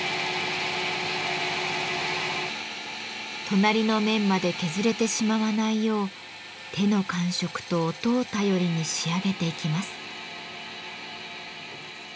隣の面まで削れてしまわないよう手の感触と音を頼りに仕上げていきます。